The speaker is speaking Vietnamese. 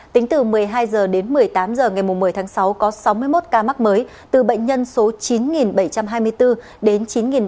tính từ một mươi hai h đến một mươi tám h ngày một mươi tháng sáu có sáu mươi một ca mắc mới từ bệnh nhân số chín bảy trăm hai mươi bốn đến chín ba trăm